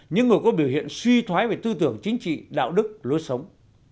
những người có biểu hiện suy thoái về tư tưởng chính trị đạo đức lối sống